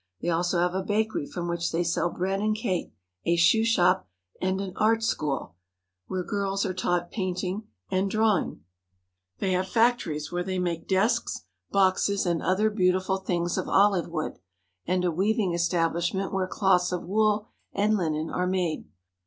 They also have a bakery from which they sell bread and cake; a shoe shop, and an art school, where girls are taught painting and drawing. They have 173 THE HOLY LAND AND SYRIA factories where they make desks, boxes, and other beau tiful things of olive wood; and a weaving establishment where cloths of wool and linen are made.